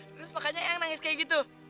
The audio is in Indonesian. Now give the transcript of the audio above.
terus makanya yang nangis kayak gitu